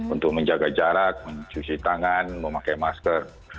untuk menjaga jarak mencuci tangan memakai masker